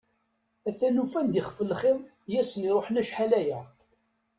Atan ufan-d ixef n lxiḍ i asen-iruḥen acḥal-aya.